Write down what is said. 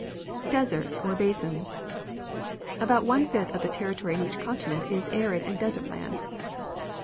Deserts or Basins. About one fifth of the territory in each continent is arid and desert land.